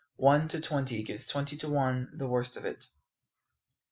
ONE TO TWENTY GIVES TWENTY TO ONE THE WORST OF IT.